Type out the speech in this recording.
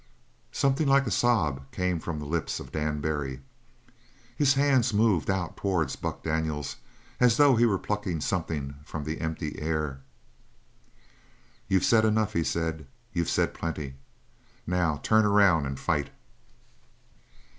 Something like a sob came from the lips of Dan Barry. His hands moved out towards Buck Daniels as though he were plucking something from the empty air. "You've said enough," he said. "You said plenty. Now turn around and fight!"